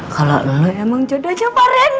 kalau lo emang jodohnya pak randy